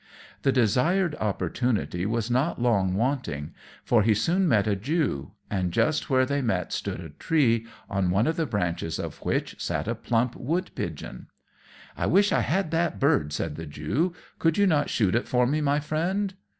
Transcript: The desired opportunity was not long wanting, for he soon met a Jew; and just where they met stood a tree, on one of the branches of which sat a plump wood pigeon. "I wish I had that bird," said the Jew; "could you not shoot it for me, my Friend?"